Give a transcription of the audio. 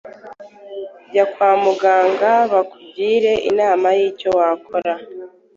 jya kwa muganga bakugire inama y’icyo wakora